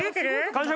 完食？